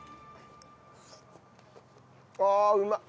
ああうまっ。